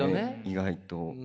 意外と。